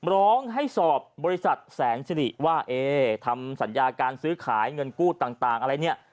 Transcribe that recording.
ร้องให้สอบบริษัทแสนสิริว่าเอ๊ทำสัญญาการซื้อขายเงินกู้ต่างอะไรเนี่ย